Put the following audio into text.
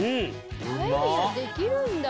パエリアできるんだ